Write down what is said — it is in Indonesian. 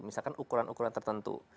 misalkan ukuran ukuran tertentu